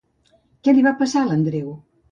Què li va passar a l'Andreu?